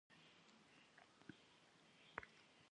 Khêbıbaje nexhre khêjeuaşşxe.